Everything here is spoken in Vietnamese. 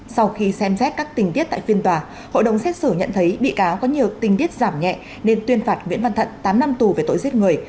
sau khi xem xét các tình tiết tại phiên tòa hội đồng xét xử nhận thấy bị cáo có nhiều tình tiết giảm nhẹ nên tuyên phạt nguyễn văn thận tám năm tù về tội giết người